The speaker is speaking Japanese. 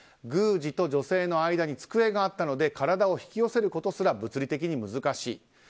宮司と女性の間に机があったので体を引き寄せることすら物理的に難しい。